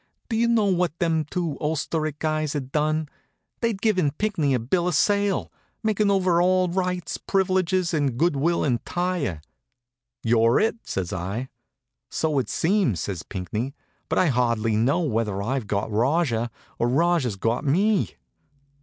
do you know what them two ulsteret guys had done? They'd given Pinckney a bill of sale, makin' over all rights, privileges and good will entire. "You're it," says I. "So it seems," says Pinckney. "But I hardly know whether I've got Rajah or Rajah's got me."